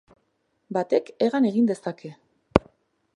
Batek hegan egin dezake.